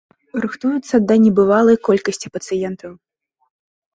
Рыхтуюцца да небывалай колькасці пацыентаў.